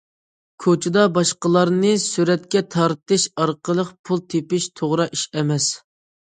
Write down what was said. كوچىدا باشقىلارنى سۈرەتكە تارتىش ئارقىلىق پۇل تېپىش توغرا ئىش ئەمەس.